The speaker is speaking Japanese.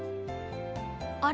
あれ？